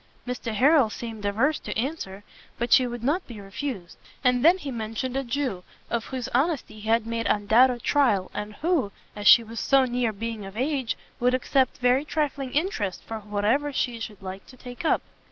Mr Harrel seemed averse to answer, but she would not be refused; and then he mentioned a Jew, of whose honesty he had made undoubted trial, and who, as she was so near being of age, would accept very trifling interest for whatever she should like to take up.